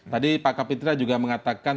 tadi pak kapitra juga mengatakan